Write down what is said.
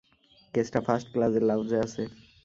কেসটা ফার্স্ট ক্লাসের লাউঞ্জে আছে।